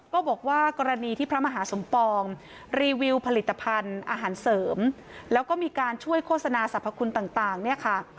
บอกว่ากรณีที่พระมหาสมปองรีวิวผลิตภัณฑ์อาหารเสริมแล้วก็มีการช่วยโฆษณาสรรพคุณต่างเนี่ยค่ะ